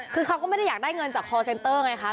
คือเขาก็ไม่ได้อยากได้เงินจากคอร์เซนเตอร์ไงคะ